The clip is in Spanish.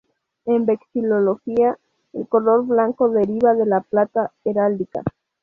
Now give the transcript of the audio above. En vexilología, el color blanco deriva de la plata heráldica.